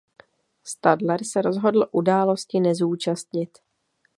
Stadler se rozhodl události nezúčastnit.